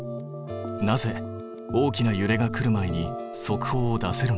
なぜ大きなゆれが来る前に速報を出せるのか？